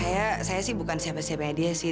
ya saya sih bukan siapa siapa dia sih